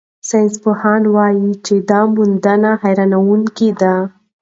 ساینسپوهان وايي چې دا موندنې حیرانوونکې دي.